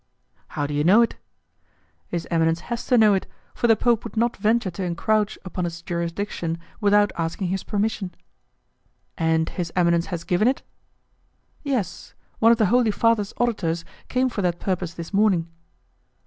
"How do you know it?" "His eminence has to know it, for the Pope would not venture to encroach upon his jurisdiction without asking his permission." "And his eminence has given it?" "Yes, one of the Holy Father's auditors came for that purpose this morning."